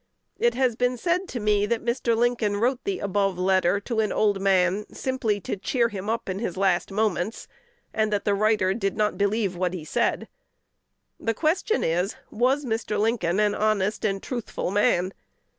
It has been said to me that Mr. Lincoln wrote the above letter to an old man simply to cheer him up in his last moments, and that the writer did not believe what he said. The question is, Was Mr. Lincoln an honest and truthful man?